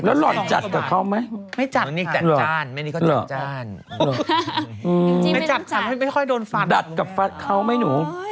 แล้วรรดิจัดกับเขาไหม